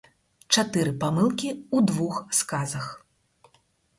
Чатыры памылкі ў двух сказах.